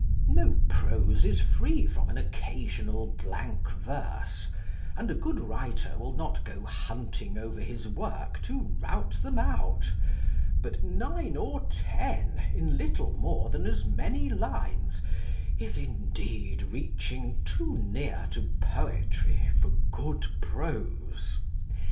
No prose is free from an occasional blank verse, and a good writer will not go hunting over his work to rout them out, but nine or ten in little more than as many lines is indeed reaching too near to poetry for good prose.